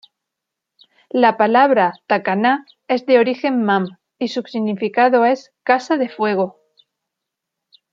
La palabra Tacaná es de origen Mam y su significado es "casa de fuego".